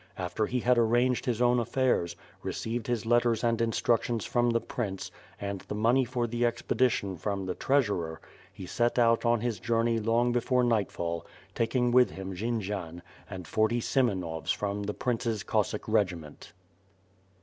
After he had arranged his own affairs; received his letters and instructions from the prince, and the money for the expedition from the treasurer, he set out on his journey long before night fall, taking with him Jendzian and forty Semenovs from the prince's Cossack regiment.